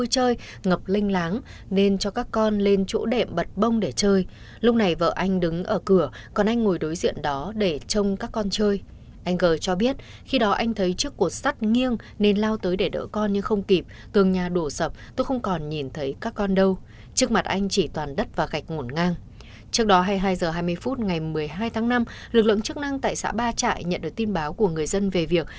trước đó hai mươi hai h hai mươi phút ngày một mươi hai tháng năm lực lượng chức năng tại xã ba trại nhận được tin báo của người dân về việc